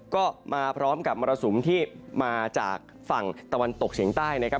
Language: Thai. ก็มาพร้อมกับมรสุมที่มาจากฝั่งตะวันตกเฉียงใต้นะครับ